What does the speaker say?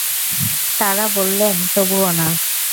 তারা বললেন তবুও না।